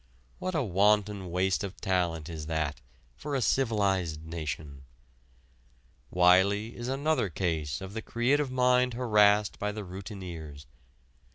What a wanton waste of talent is that for a civilized nation! Wiley is another case of the creative mind harassed by the routineers.